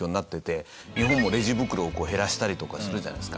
日本もレジ袋を減らしたりとかしてるじゃないですか。